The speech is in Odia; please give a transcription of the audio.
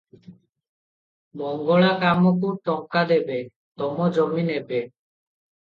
ମଙ୍ଗଳା କାମକୁ ଟଙ୍କା ଦେବେ; ତମ ଜମି ନେବେ?